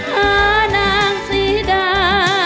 พระนางสีดา